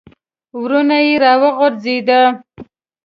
ورونه یې را وغورځېده.